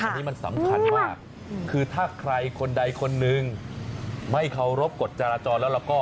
อันนี้มันสำคัญมากคือถ้าใครคนใดคนหนึ่งไม่เคารพกฎจราจรแล้วก็